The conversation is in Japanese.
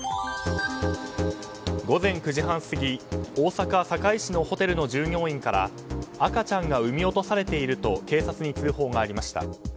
午前９時半過ぎ大阪・堺市のホテルの従業員から赤ちゃんが産み落とされていると警察に通報がありました。